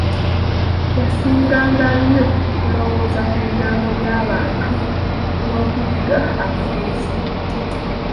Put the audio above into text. Yasinganga nnyo okulowooza ku bigambo bya bantu nu kuyiga amagezi.